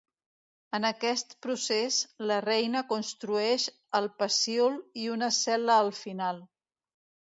En aquest procés, la reina construeix el pecíol i una cel·la al final.